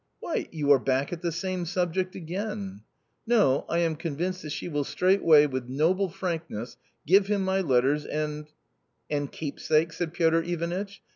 " Why ! you are back at the same subject again !"" No, I am convinced that she will straightway with noble frankness give him ray letters and "" And keepsakes?" said Piotr Ivanitcb.